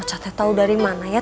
mam ocatnya tau dari mana ya